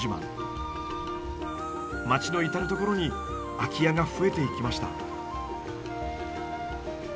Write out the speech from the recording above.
町の至る所に空き家が増えていきました。